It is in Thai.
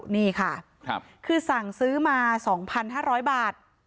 นี่ค่ะครับคือสั่งซื้อมาสองพันห้าร้อยบาท